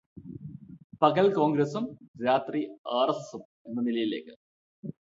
പകല് കോണ്ഗ്രസും രാത്രി ആര്എസ്എസ്സും എന്ന നിലയിലേക്ക്